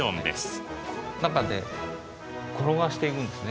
中で転がしていくんですね。